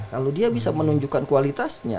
kalau dia bisa menunjukkan kualitasnya